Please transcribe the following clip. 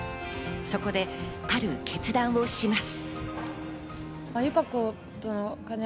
そこで、ある決断をします。